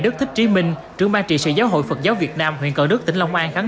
đức thích trí minh trưởng ban trị sự giáo hội phật giáo việt nam huyện cần đức tỉnh long an khẳng